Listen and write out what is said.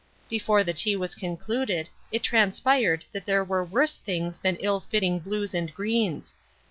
Before the tea was concluded, it transpired that there were worse things than ill fitting blues and greens.